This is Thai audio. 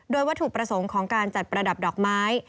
โดยวัตถุประสงค์ของการจัดประดับดอกไม้